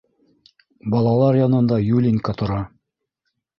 Балалар янында Юлинька тора.